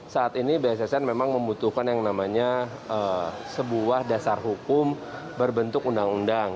saat ini bssn memang membutuhkan yang namanya sebuah dasar hukum berbentuk undang undang